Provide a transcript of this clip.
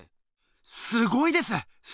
すごいです！